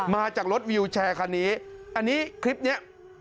มาจากรถวิวแชร์คันนี้อันนี้คลิปนี้